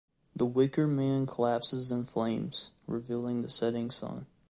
The wicker man collapses in flames, revealing the setting sun.